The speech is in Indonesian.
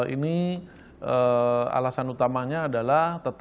ini alasan utamanya adalah